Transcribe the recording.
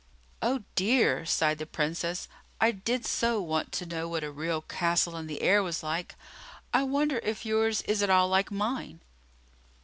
"Oh, dear!" sighed the Princess. "I did so want to know what a real castle in the air was like. I wonder if yours is at all like mine!"